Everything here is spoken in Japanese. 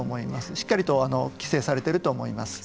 しっかりと規制されていると思います。